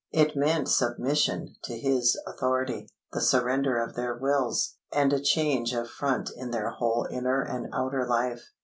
It meant submission to His authority, the surrender of their wills, and a change of front in their whole inner and outer life.